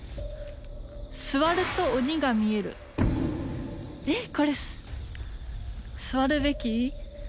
「座ると鬼が見える」えっこれ座るべき？